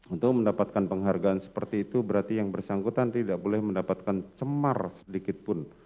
untuk mendapatkan penghargaan seperti itu berarti yang bersangkutan tidak boleh mendapatkan cemar sedikitpun